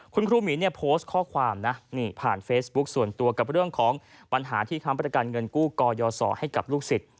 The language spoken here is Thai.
คุณครูหมีโพสต์ข้อความผ่านเฟซบุ๊กส่วนตัวกับเรื่องของปัญหาที่ค้ำประกันเงินกู้ก่อยยอสอให้กับลูกสิทธิ์